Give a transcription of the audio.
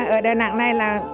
ở đà nẵng này là